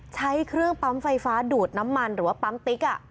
ใช้เครื่องปั๊มไฟฟ้าดูดน้ำมันหรือว่าปั๊มติ๊ก